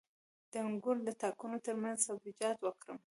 د انګورو د تاکونو ترمنځ سبزیجات وکرم؟